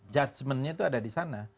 judgementnya itu ada di sana